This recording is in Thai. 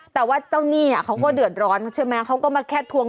แต่ว่าเจ้าหนี้เขาก็เดือดร้อนใช่ไหมเขาก็มาแค่ทวง